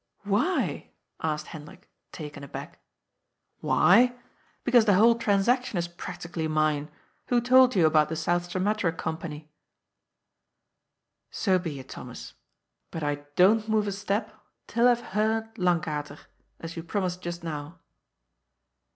" Why ?" asked Hendrik, taken aback. "Why? Because the whole transaction is practically mine. Who told you about the South Sumatra Company? "" So be it, Thomas. But I dcfn't move a step till I have heard Lankater, as you promised just now."